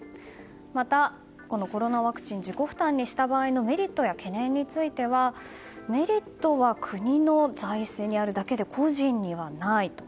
また、コロナワクチン自己負担にした場合のメリットや懸念についてはメリットは国の財政にあるだけで個人にはないと。